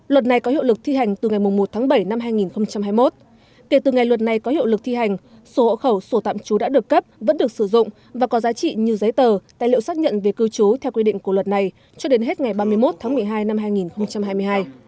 luật này có hiệu lực thi hành từ ngày một tháng bảy năm hai nghìn hai mươi một kể từ ngày luật này có hiệu lực thi hành số hộ khẩu số tạm trú đã được cấp vẫn được sử dụng và có giá trị như giấy tờ tài liệu xác nhận về cư trú theo quy định của luật này cho đến hết ngày ba mươi một tháng một mươi hai năm hai nghìn hai mươi hai